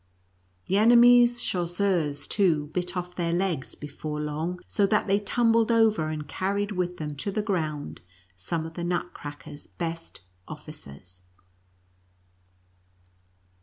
The ene mies' chasseurs, too, bit off their legs before long, so that they tumbled over, and carried with them to the ground some of Nutcracker's best officers.